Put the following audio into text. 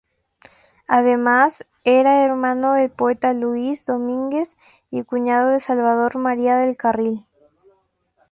Además, era hermano del poeta Luis Domínguez y cuñado de Salvador María del Carril.